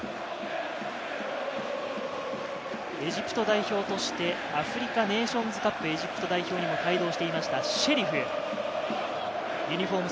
エジプト代表としてアフリカネイションズカップ、エジプト代表にも帯同していましたシェリフ。